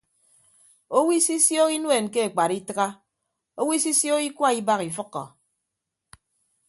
Owo isisioho inuen ke ekpat itịgha owo isisioho ikua ibak ifʌkkọ.